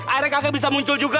akhirnya kakek bisa muncul juga